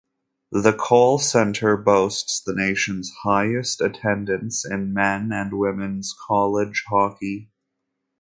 The Kohl Center boasts the nation's highest attendance in men's and women's college hockey.